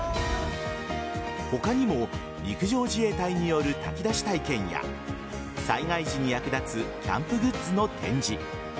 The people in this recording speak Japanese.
他にも陸上自衛隊による炊き出し体験や災害時に役立つキャンプグッズの展示。